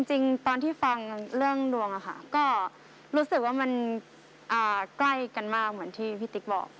จริงตอนที่ฟังเรื่องดวงอะค่ะก็รู้สึกว่ามันใกล้กันมากเหมือนที่พี่ติ๊กบอก